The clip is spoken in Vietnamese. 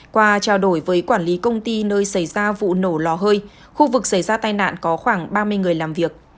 qua trao đổi với quản lý công ty nơi xảy ra vụ nổ lò hơi khu vực xảy ra tai nạn có khoảng ba mươi người làm việc